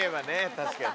確かに。